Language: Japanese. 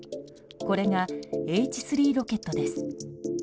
これがＨ３ロケットです。